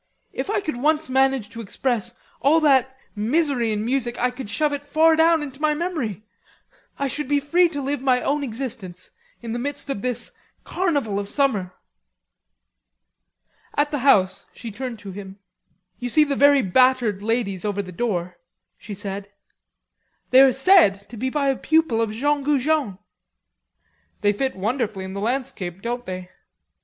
"If I could once manage to express all that misery in music, I could shove it far down into my memory. I should be free to live my own existence, in the midst of this carnival of summer." At the house she turned to him; "You see the very battered ladies over the door," she said. "They are said to be by a pupil of Jean Goujon." "They fit wonderfully in the landscape, don't they?